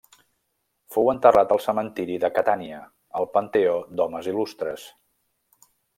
Fou enterrat al cementiri de Catània, al panteó d'homes il·lustres.